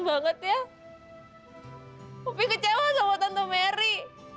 saya mengecewakan tante merry